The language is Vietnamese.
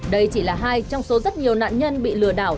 đây chỉ là hai trong số rất nhiều nạn nhân bị lừa đảo